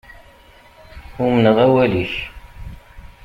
Umneɣ awal-ik.